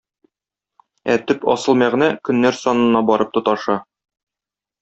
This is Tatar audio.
Ә төп асыл мәгънә көннәр санына барып тоташа.